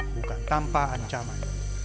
bukan tanpa ancaman